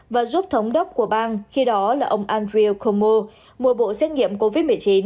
và giúp thống đốc của bang khi đó là ông andrew cuomo mùa bộ xét nghiệm covid một mươi chín